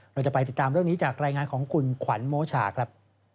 เราจะไปติดตามเรื่องนี้จากรายงานของคุณขวัญโมชาครับ